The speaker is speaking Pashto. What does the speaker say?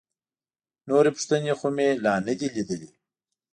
نورې پوښتنې خو مې لا نه دي لیدلي.